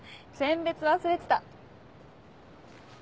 餞別忘れてた。